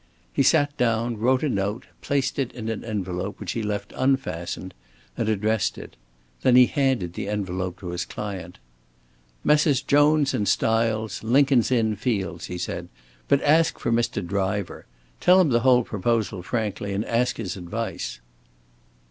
He sat down, wrote a note, placed it in an envelope, which he left unfastened, and addressed it. Then he handed the envelope to his client. "Messrs. Jones and Stiles, Lincoln's Inn Fields," he said. "But ask for Mr. Driver. Tell him the whole proposal frankly, and ask his advice."